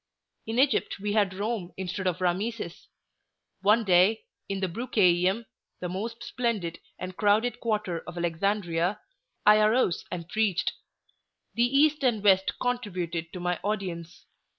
In Egypt we had Rome instead of Rameses. One day, in the Brucheium, the most splendid and crowded quarter of Alexandria, I arose and preached. The East and West contributed to my audience.